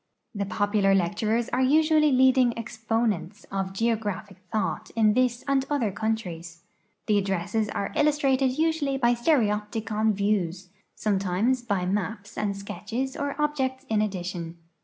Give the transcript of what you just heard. The popular lecturers are usually leading expo nents of geographic thought in this and other countries. 'I'he addresses are illustrated usually by stereopticon vicAvs, .some times by maps ami sketches or objects in addition.